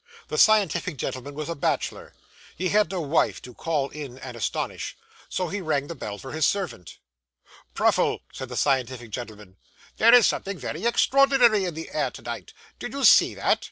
The scientific gentleman was a bachelor. He had no wife to call in and astonish, so he rang the bell for his servant. 'Pruffle,' said the scientific gentleman, 'there is something very extraordinary in the air to night? Did you see that?